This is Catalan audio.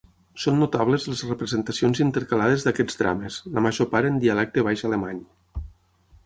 Són notables les representacions intercalades d'aquests drames, la major part en dialecte baix alemany.